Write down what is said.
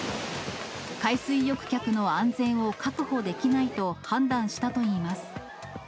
海水浴客の安全を確保できないと判断したといいます。